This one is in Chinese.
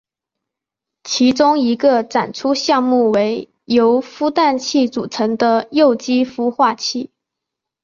其中一个展出项目为由孵蛋器组成的幼鸡孵化器。